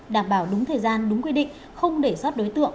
đảm bảo đúng thời gian đúng quy định không để sót đối tượng